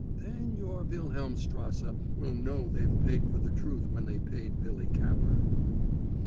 Then your Wilhelmstrasse will know they've paid for the truth when they paid Billy Capper."